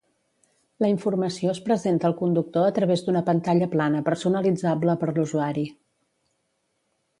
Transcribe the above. La informació es presenta al conductor a través d'una pantalla plana personalitzable per l'usuari.